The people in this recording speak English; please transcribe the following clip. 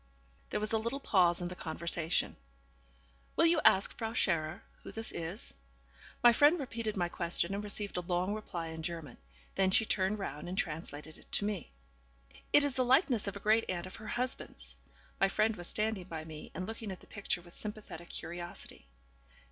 There was a little pause in the conversation. 'Will you ask Frau Scherer who this is?' My friend repeated my question, and received a long reply in German. Then she turned round and translated it to me. 'It is the likeness of a great aunt of her husband's.' (My friend was standing by me, and looking at the picture with sympathetic curiosity.)